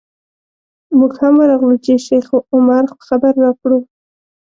موږ هم ورغلو چې شیخ عمر خبر راکړو.